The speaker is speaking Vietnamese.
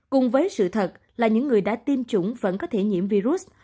cùng với sự thật là những người đã tiêm chủng vẫn có thể nhiễm virus